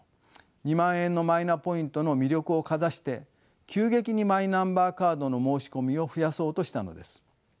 ２万円のマイナポイントの魅力をかざして急激にマイナンバーカードの申し込みを増やそうとしたのです。